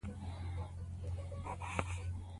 زموږ بیرغ د ملي یووالي نښه ده.